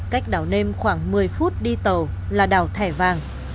cách đảo nêm khoảng một mươi phút đi tàu là đảo thẻ vàng